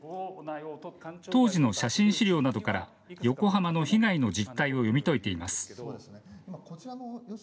当時の写真資料などから横浜の被害の実態を読み解いています。